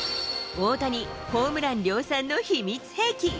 大谷、ホームラン量産の秘密兵器。